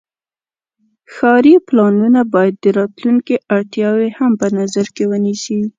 ښاري پلانونه باید د راتلونکي اړتیاوې هم په نظر کې ونیسي.